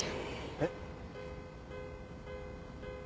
えっ？